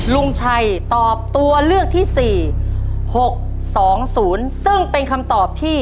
ลุงชัยตอบตัวเลือกที่๔๖๒๐ซึ่งเป็นคำตอบที่